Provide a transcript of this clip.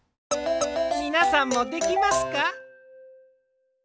みなさんもできますか？